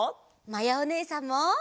まやおねえさんも。